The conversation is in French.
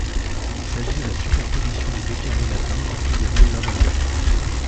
Il s'agit de la superposition de deux carrés latins orthogonaux l'un à l'autre.